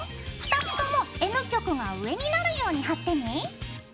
２つともＮ極が上になるように貼ってね。